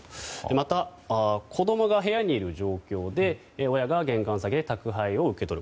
また、子供が部屋にいる状況で親が玄関先で宅配を受け取る。